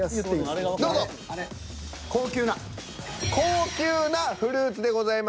「高級なフルーツ」でございます。